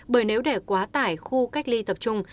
bởi nếu để quá tải khu cách ly tập trung